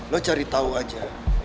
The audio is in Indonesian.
lo cari tahu aja